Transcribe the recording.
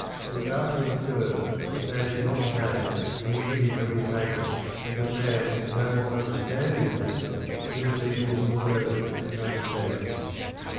We are to infer that Man is not made in the image of his Maker, and that Man can no more understand his Maker than the beetles and the worms can understand him.